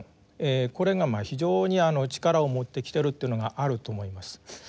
これが非常に力を持ってきてるというのがあると思います。